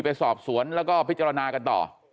ไปสอบสวนแล้วก็พิจารณากันต่อ